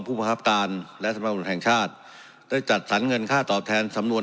ประคับการและสำหรับตำรวจแห่งชาติได้จัดสรรเงินค่าตอบแทนสำนวน